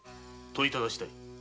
問いただしたい。